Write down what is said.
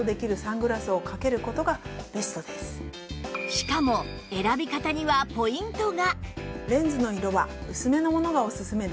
しかも選び方にはポイントが！